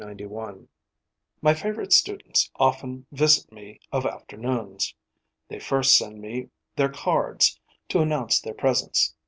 15 May 1, 1891. My favourite students often visit me of afternoons. They first send me their cards, to announce their presence.